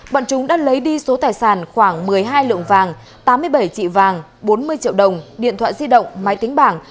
bọn chúng đã lấy đi số tài sản khoảng một mươi hai lượng vàng tám mươi bảy trị vàng bốn mươi triệu đồng điện thoại di động máy tính bảng